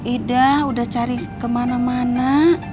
ida udah cari kemana mana